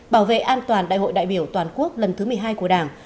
bảo vệ an toàn đại hội đại biểu toàn quốc lần thứ một mươi hai của đảng